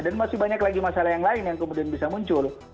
dan masih banyak lagi masalah yang lain yang kemudian bisa muncul